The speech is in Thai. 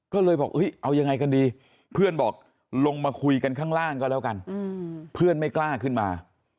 ก็เลยบอกเอายังไงกันดีเพื่อนบอกลงมาคุยกันข้างล่างก็แล้วกันเพื่อนไม่กล้าขึ้นมา